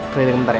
trailing ntar ya